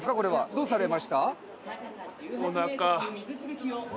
どうされました？